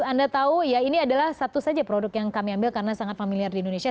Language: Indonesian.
anda tahu ya ini adalah satu saja produk yang kami ambil karena sangat familiar di indonesia